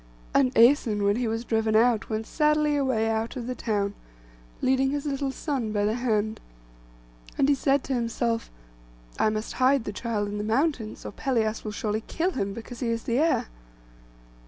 And Æson, when he was driven out, went sadly away out of the town, leading his little son by the hand; and he said to himself, 'I must hide the child in the mountains; or Pelias will surely kill him, because he is the heir.